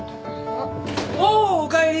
おうおかえり。